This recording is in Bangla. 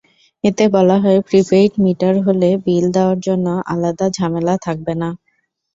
এতে বলা হয়, প্রি-পেইড মিটার হলে বিল দেওয়ার জন্য আলাদা ঝামেলা থাকবে না।